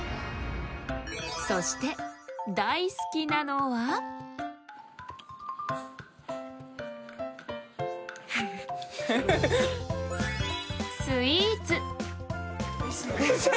そして、大好きなのはスイーツ！